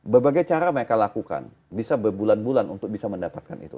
berbagai cara mereka lakukan bisa berbulan bulan untuk bisa mendapatkan itu